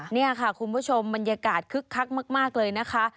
นี่ค่ะคุณผู้ชมบรรยากาศคึกคักมากเลยนะคะ